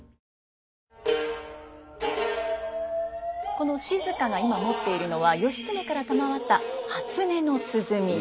この静が今持っているのは義経から賜った初音の鼓。